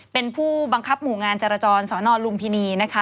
เป็นผู้บังคับหมู่งานจรจรสนลุมพินีนะคะ